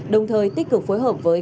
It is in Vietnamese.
đồng thời tích cực phối hợp với